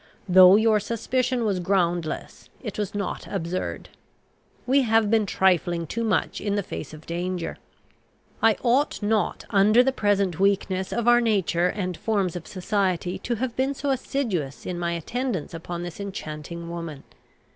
Though your suspicion was groundless, it was not absurd. We have been trifling too much in the face of danger. I ought not, under the present weakness of our nature and forms of society, to have been so assiduous in my attendance upon this enchanting woman.